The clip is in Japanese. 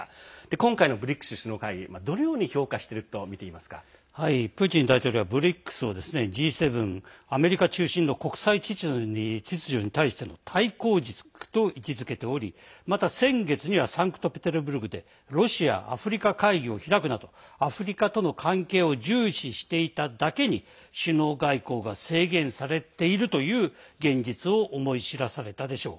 今回のＢＲＩＣＳ首脳会議どのように評価しているとプーチン大統領はＢＲＩＣＳをＧ７アメリカ中心の国際秩序への対抗軸と位置づけておりまた、先月にはサンクトペテルブルクでロシア・アフリカ会議を開くなどアフリカとの関係を重視していただけに首脳外交が制限されているという現実を思い知らされたでしょう。